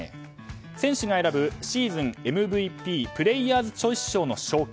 選手が選ぶシーズンＭＶＰプレーヤーズ・チョイス賞の賞金。